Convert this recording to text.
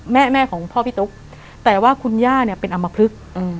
แม่แม่ของพ่อพี่ตุ๊กแต่ว่าคุณย่าเนี่ยเป็นอำมพลึก